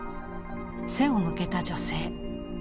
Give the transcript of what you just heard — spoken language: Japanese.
背を向けた女性。